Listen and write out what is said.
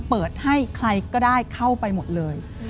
เปิดให้ใครก็ได้เข้าไปหมดเลย